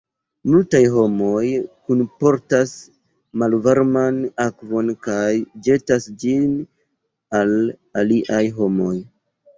Multaj homoj kunportas malvarman akvon kaj ĵetas ĝin al aliaj homoj.